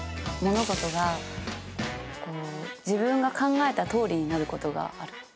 物事が自分が考えたとおりになることがある。